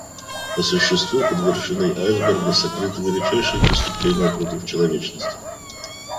По существу, под вершиной айсберга сокрыты величайшие преступления против человечности.